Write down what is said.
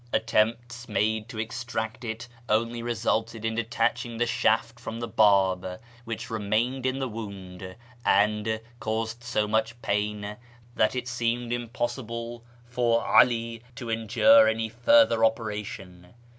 Attempts made to extract it only resulted in detaching the shaft from the barb, which remained in the wound, and caused so much pain that it seemed im possible for 'All to endure any further operation.